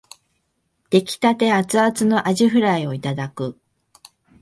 出来立てアツアツのあじフライをいただく